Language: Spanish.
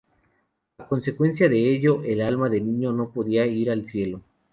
A consecuencia de ello, el alma de niño no podía ir al cielo.